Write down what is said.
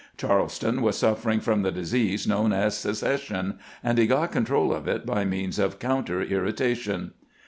Charleston was suffer ing from the disease known as secession, and he got control of it by means of counter irritation."